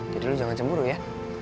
jadi lo jangan cemburu ya